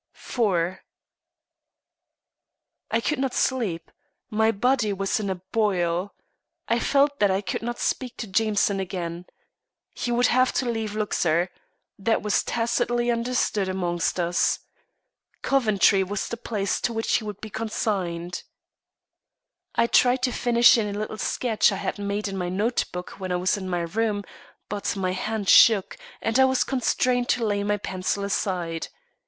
IV I could not sleep. My blood was in a boil. I felt that I could not speak to Jameson again. He would have to leave Luxor. That was tacitly understood among us. Coventry was the place to which he would be consigned. I tried to finish in a little sketch I had made in my notebook when I was in my room, but my hand shook, and I was constrained to lay my pencil aside.